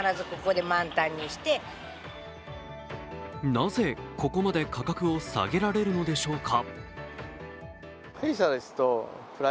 なぜここまで価格を下げられるのでしょうか？